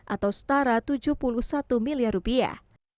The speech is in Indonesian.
atau setara tujuh puluh satu miliar rupiah